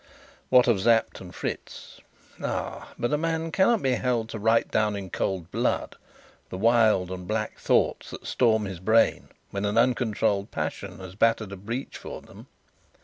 What of Sapt and Fritz? Ah! but a man cannot be held to write down in cold blood the wild and black thoughts that storm his brain when an uncontrolled passion has battered a breach for them.